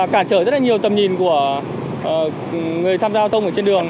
cản trở rất là nhiều tầm nhìn của người tham gia giao thông trên đường